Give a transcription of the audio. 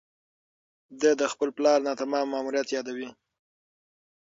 ده د خپل پلار ناتمام ماموریت یادوي.